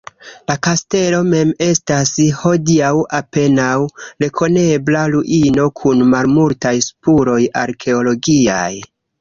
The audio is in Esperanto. La kastelo mem estas hodiaŭ apenaŭ rekonebla ruino kun malmultaj spuroj arkeologiaj.